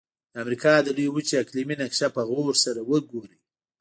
د امریکا د لویې وچې اقلیمي نقشه په غور سره وګورئ.